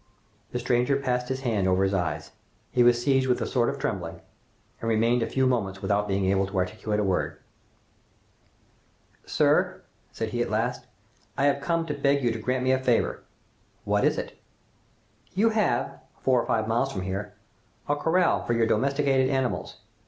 The stranger pressed his hand over his eyes. He was seized with a sort of trembling, and remained a few moments without being able to articulate a word. "Sir," said he at last, "I have come to beg you to grant me a favor." "What is it?" "You have, four or five miles from here, a corral for your domesticated animals.